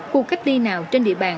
cuộc cách đi nào trên địa bàn